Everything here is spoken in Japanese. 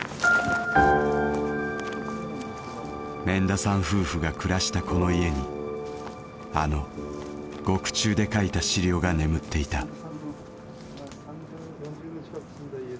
免田さん夫婦が暮らしたこの家にあの獄中で書いた資料が眠っていた。